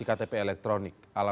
ketemuan di asean killa